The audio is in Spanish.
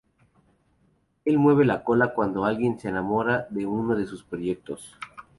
Él mueve la cola cuando alguien se enamora de uno de sus proyectos.